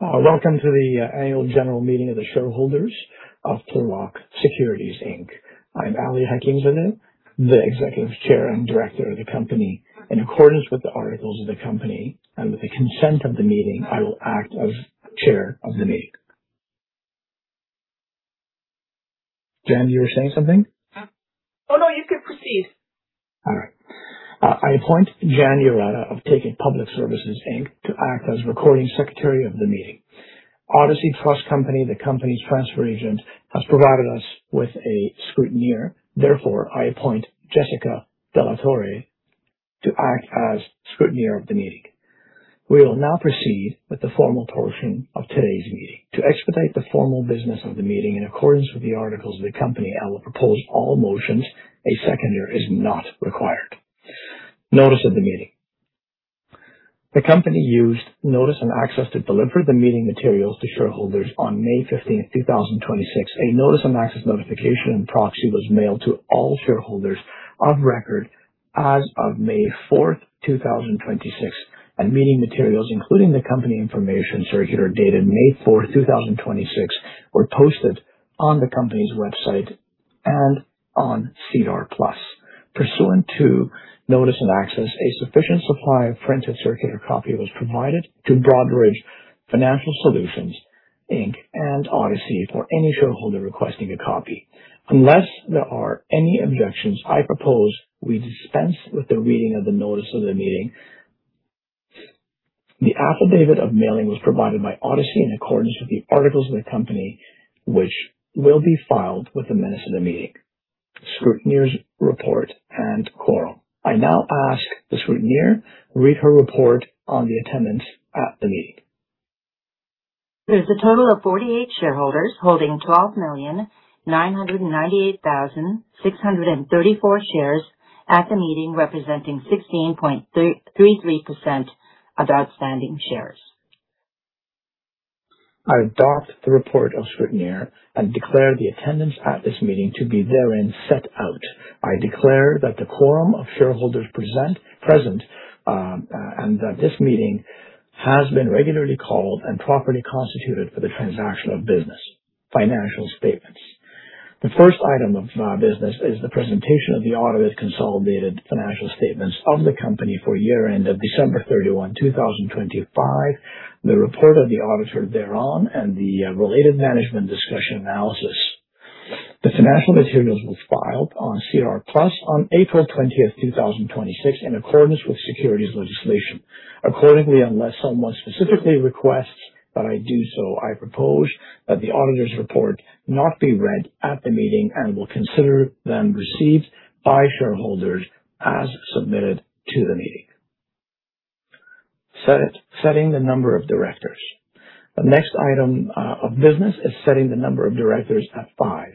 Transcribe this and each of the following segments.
Welcome to the annual general meeting of the shareholders of Plurilock Security Inc. I'm Ali Hakimzadeh, the Executive Chair and Director of the company. In accordance with the articles of the company, and with the consent of the meeting, I will act as Chair of the meeting. Jan, you were saying something? Oh, no, you can proceed. All right. I appoint Jan Urata of Take It Public Services Inc. to act as Recording Secretary of the meeting. Odyssey Trust Company, the company's transfer agent, has provided us with a Scrutineer. Therefore, I appoint Jessica de la Torre to act as Scrutineer of the meeting. We will now proceed with the formal portion of today's meeting. To expedite the formal business of the meeting in accordance with the articles of the company, I will propose all motions. A seconder is not required. Notice of the meeting. The company used notice and access to deliver the meeting materials to shareholders on May 15th, 2026. A notice and access notification and proxy was mailed to all shareholders of record as of May 4th, 2026, and meeting materials, including the company information circular dated May 4th, 2026, were posted on the company's website and on SEDAR+. Pursuant to notice and access, a sufficient supply of printed circular copy was provided to Broadridge Financial Solutions Inc. and Odyssey for any shareholder requesting a copy. Unless there are any objections, I propose we dispense with the reading of the notice of the meeting. The affidavit of mailing was provided by Odyssey in accordance with the articles of the company, which will be filed with the minutes of the meeting. Scrutineer's report and quorum. I now ask the Scrutineer to read her report on the attendance at the meeting. There's a total of 48 shareholders holding 12,998,634 shares at the meeting, representing 16.33% of the outstanding shares. I adopt the report of Scrutineer and declare the attendance at this meeting to be therein set out. I declare that the quorum of shareholders present, and that this meeting has been regularly called and properly constituted for the transaction of business. Financial statements. The first item of business is the presentation of the audited consolidated financial statements of the company for year end of December 31, 2025, the report of the auditor thereon, and the related management discussion analysis. The financial materials were filed on SEDAR+ on April 20th, 2026, in accordance with securities legislation. Accordingly, unless someone specifically requests that I do so, I propose that the auditor's report not be read at the meeting and will consider them received by shareholders as submitted to the meeting. Setting the number of directors. The next item of business is setting the number of directors at five.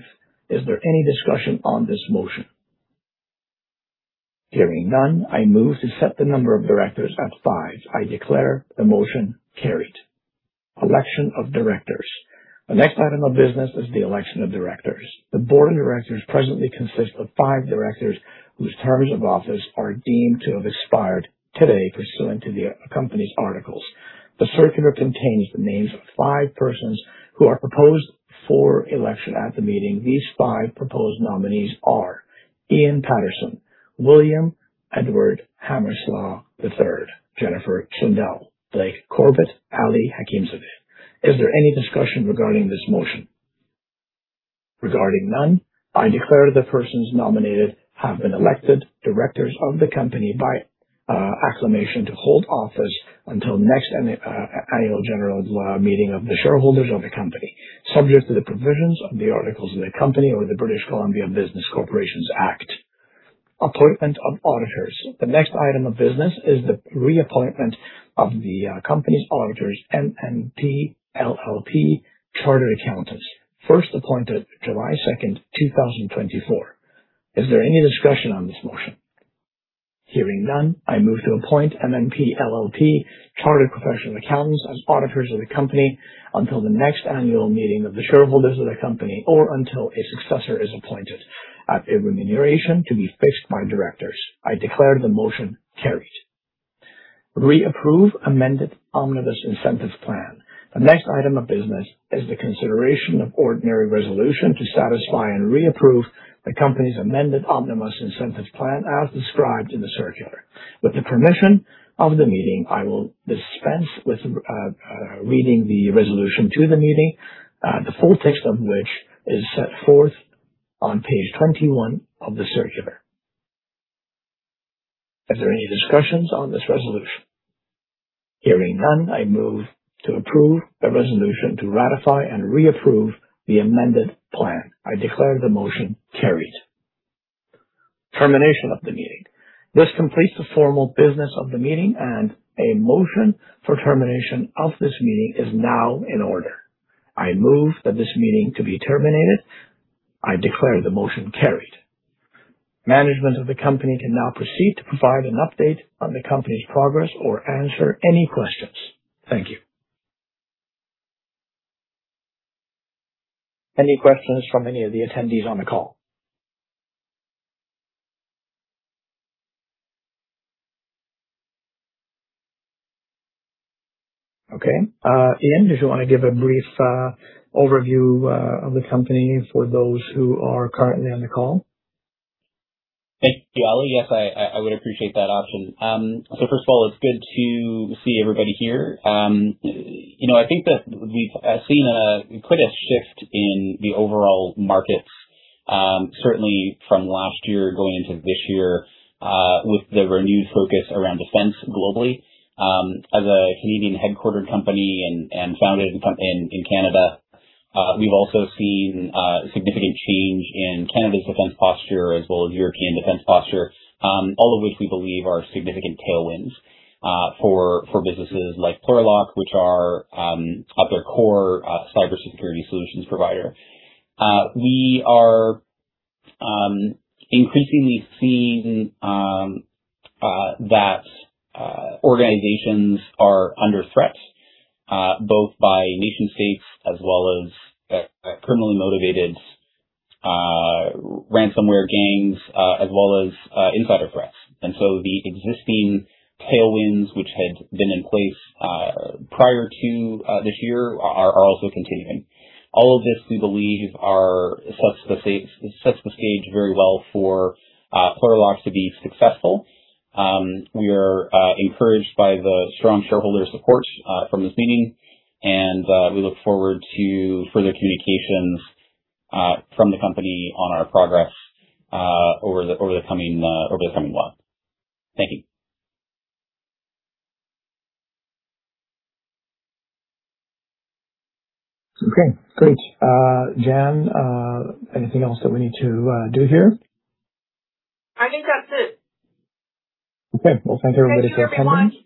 Is there any discussion on this motion? Hearing none, I move to set the number of directors at five. I declare the motion carried. Election of directors. The next item of business is the election of directors. The board of directors presently consists of five directors whose terms of office are deemed to have expired today pursuant to the company's articles. The circular contains the names of five persons who are proposed for election at the meeting. These five proposed nominees are Ian Paterson, William Edward Hammersla III, Jennifer Swindell, Blake Corbet, Ali Hakimzadeh. Is there any discussion regarding this motion? Regarding none, I declare the persons nominated have been elected directors of the company by acclamation to hold office until next annual general meeting of the shareholders of the company, subject to the provisions of the articles of the company or the British Columbia Business Corporations Act. Appointment of auditors. The next item of business is the reappointment of the company's auditors, MNP LLP Chartered Accountants, first appointed July 2nd, 2024. Is there any discussion on this motion? Hearing none, I move to appoint MNP LLP Chartered Professional Accountants as auditors of the company until the next annual meeting of the shareholders of the company or until a successor is appointed at a remuneration to be fixed by directors. I declare the motion carried. Reapprove amended omnibus incentive plan. The next item of business is the consideration of ordinary resolution to satisfy and reapprove the company's amended omnibus incentive plan as described in the circular. With the permission of the meeting, I will dispense with reading the resolution to the meeting, the full text of which is set forth on page 21 of the circular. Is there any discussions on this resolution? Hearing none, I move to approve a resolution to ratify and reapprove the amended plan. I declare the motion carried. Termination of the meeting. This completes the formal business of the meeting. A motion for termination of this meeting is now in order. I move that this meeting to be terminated. I declare the motion carried. Management of the company can now proceed to provide an update on the company's progress or answer any questions. Thank you. Any questions from any of the attendees on the call? Okay. Ian, did you want to give a brief overview of the company for those who are currently on the call? Thank you, Ali. Yes, I would appreciate that option. First of all, it's good to see everybody here. I think that we've seen quite a shift in the overall markets, certainly from last year going into this year, with the renewed focus around defense globally. As a Canadian-headquartered company and founded in Canada, we've also seen significant change in Canada's defense posture as well as European defense posture. All of which we believe are significant tailwinds for businesses like Plurilock, which are at their core, a cybersecurity solutions provider. We are increasingly seeing that organizations are under threat, both by nation-states as well as criminally motivated ransomware gangs, as well as insider threats. The existing tailwinds which had been in place prior to this year are also continuing. All of this, we believe, sets the stage very well for Plurilock to be successful. We are encouraged by the strong shareholder support from this meeting. We look forward to further communications from the company on our progress over the coming months. Thank you. Okay, great. Jan, anything else that we need to do here? I think that's it. Okay. Well, thanks everybody for coming.